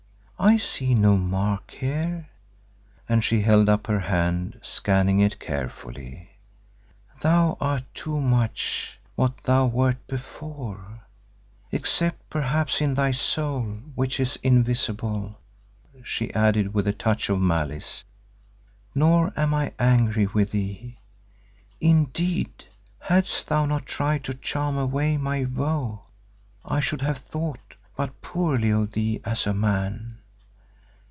I see no mark here," and she held up her hand, scanning it carefully. "Thou art too much what thou wert before, except perhaps in thy soul, which is invisible," she added with a touch of malice. "Nor am I angry with thee; indeed, hadst thou not tried to charm away my woe, I should have thought but poorly of thee as a man.